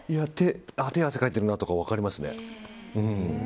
手汗かいてるなとか分かりますね。